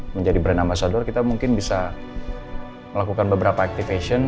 menjadi brand ambasador kita mungkin bisa melakukan beberapa activation